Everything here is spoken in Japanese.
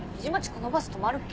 このバス止まるっけ？